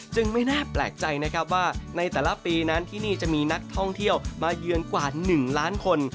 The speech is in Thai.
ไม่น่าแปลกใจนะครับว่าในแต่ละปีนั้นที่นี่จะมีนักท่องเที่ยวมาเยือนกว่า๑ล้านคน